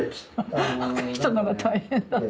若い人の方が大変だった。